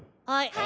はい！